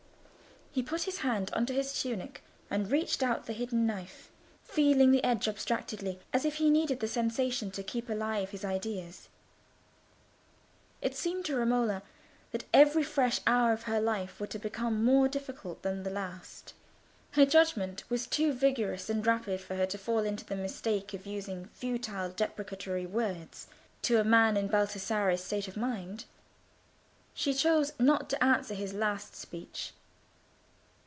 He put his hand under his tunic, and reached out the hidden knife, feeling the edge abstractedly, as if he needed the sensation to keep alive his ideas. It seemed to Romola as if every fresh hour of her life were to become more difficult than the last. Her judgment was too vigorous and rapid for her to fall into the mistake of using futile deprecatory words to a man in Baldassarre's state of mind. She chose not to answer his last speech.